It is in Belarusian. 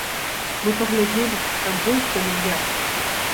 Мы паглядзелі, там больш за мільярд.